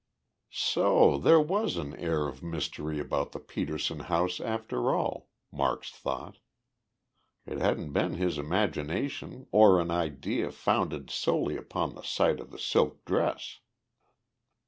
"So there was an air of mystery about the Petersen house, after all!" Marks thought. It hadn't been his imagination or an idea founded solely upon the sight of the silk dress!